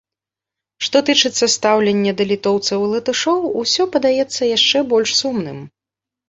Што тычыцца стаўлення да літоўцаў і латышоў, усё падаецца яшчэ больш сумным.